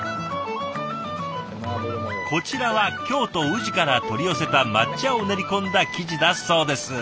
こちらは京都・宇治から取り寄せた抹茶を練り込んだ生地だそうです。